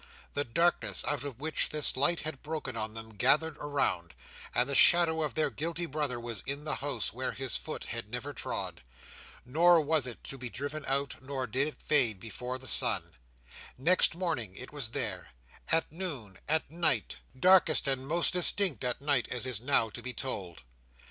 The darkness out of which this light had broken on them gathered around; and the shadow of their guilty brother was in the house where his foot had never trod. Nor was it to be driven out, nor did it fade before the sun. Next morning it was there; at noon; at night Darkest and most distinct at night, as is now to be told.